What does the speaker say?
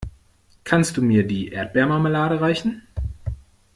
Kannst du mir die Erdbeermarmelade reichen?